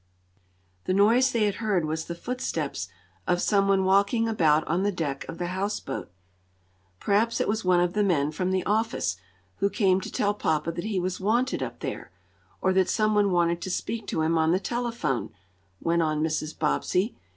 The noise they had heard was the footsteps of some one walking about on the deck of the houseboat. "Perhaps it was one of the men from the office, who came to tell papa he was wanted up there, or that some one wanted to speak to him on the telephone," went on Mrs. Bobbsey.